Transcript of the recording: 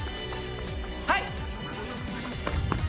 はい！